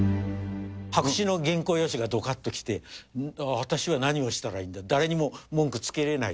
白紙の原稿用紙がどかっと来て、私は何をしたらいいんだ、誰にも文句つけれない。